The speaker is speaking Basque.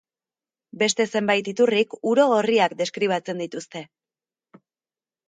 Beste zenbait iturrik uro gorriak deskribatzen dituzte.